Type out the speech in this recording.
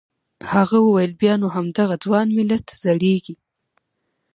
هغه وویل بیا نو همدغه ځوان ملت زړیږي.